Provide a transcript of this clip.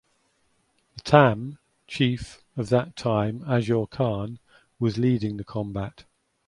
The "Tham" (Chief) of that time Azur Khan was leading the combat.